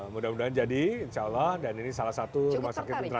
mudah mudahan jadi insya allah dan ini salah satu rumah sakit putra